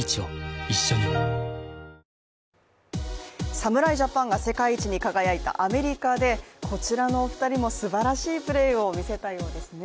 侍ジャパンが世界一に輝いたアメリカで、こちらのお二人もすばらしいプレーを見せたようですね。